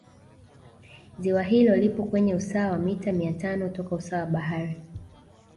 Ziwa hilo lipo kwenye usawa wa mita mia tano toka usawa wa bahari